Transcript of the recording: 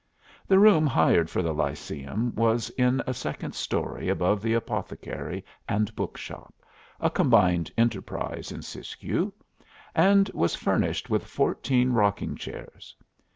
The room hired for the Lyceum was in a second story above the apothecary and book shop a combined enterprise in Siskiyou and was furnished with fourteen rocking chairs.